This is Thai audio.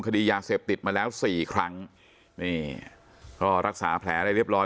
คดียาเสพติดมาแล้วสี่ครั้งนี่ก็รักษาแผลอะไรเรียบร้อย